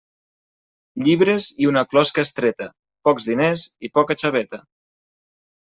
Llibres i una closca estreta, pocs diners i poca xaveta.